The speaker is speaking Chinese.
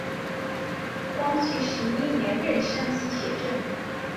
光绪十一年任山西学政。